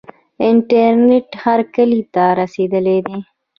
انټرنیټ هر کلي ته رسیدلی دی.